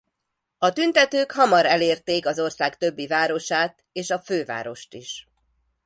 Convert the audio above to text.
A tüntetők hamar elérték az ország többi városát és a fővárost is.